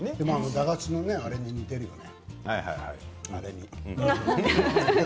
駄菓子のあれに似ているね。